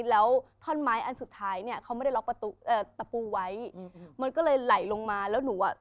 แล้วท่อนไม้อันสุดท้ายเนี้ยเขาไม่ได้ล็อกประตูเอ่อตะปูไว้อืมมันก็เลยไหลลงมาแล้วหนูอ่ะ